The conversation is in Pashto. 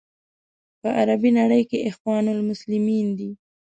په عربي نړۍ کې اخوان المسلمین دي.